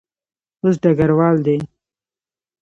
اوس ډګروال دی.